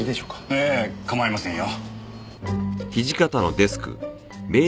ええ構いませんよ。